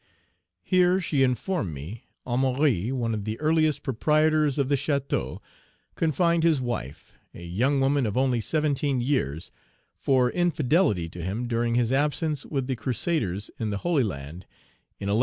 Here, she informed me, Amaury, one of the earliest proprietors of the chateau, confined his wife, a young woman of only seventeen years, for infidelity to him during his absence with the Crusaders in the Holy Land in 1170.